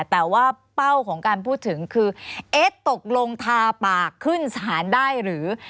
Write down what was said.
แต่ว่าเป้าของการพูดถึงคือเอ๊ะตกลงทาปากขึ้นสารได้หรือ